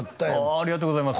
ありがとうございます